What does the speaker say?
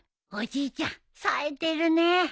おじいちゃんさえてるね。